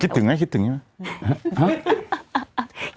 คิดถึงไหมคิดถึงไหมห้ะ